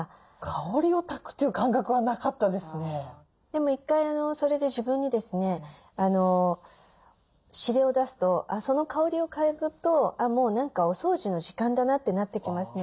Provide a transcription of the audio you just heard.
でも一回それで自分にですね指令を出すとその香りを嗅ぐともう何か「お掃除の時間だな」ってなってきますので。